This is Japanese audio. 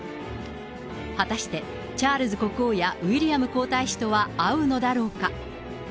果たして、チャールズ国王やウィリアム皇太子とは会うのだろうか。